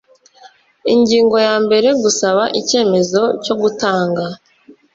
Ingingo ya mbere Gusaba icyemezo cyo gutanga